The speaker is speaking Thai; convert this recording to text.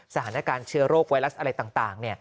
สถานการณ์เชื้อโรคไวรัสอะไรต่าง